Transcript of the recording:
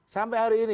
sampai hari ini